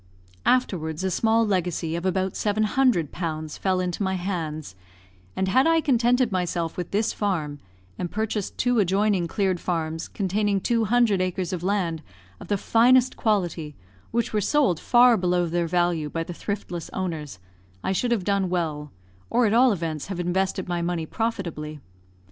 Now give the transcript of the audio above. Afterwards a small legacy of about 700 pounds fell into my hands, and had I contented myself with this farm, and purchased two adjoining cleared farms containing two hundred acres of land of the finest quality which were sold far below their value by the thriftless owners, I should have done well, or at all events have invested my money profitably.